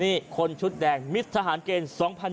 นี่คนชุดแดงมิตรทหารเกณฑ์๒๐๑๖